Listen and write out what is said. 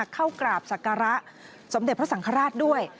เข้ากราบศักระสมเด็จพระสังฆราชด้วย